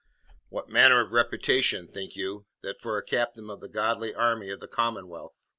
"What manner of reputation, think you, that for a captain of the godly army of the Commonwealth?"